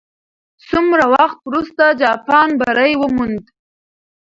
څومره وخت وروسته جاپان بری وموند؟